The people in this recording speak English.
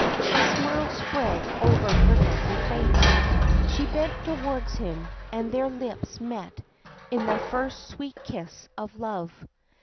A smile spread over her lovely face. She bent towards him, and their lips met in the first sweet kiss of love.